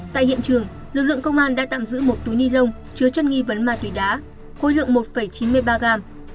tại hiện trường lực lượng công an đã tạm giữ một túi ni lông chứa chất nghi vấn ma túy đá khối lượng một chín mươi ba gram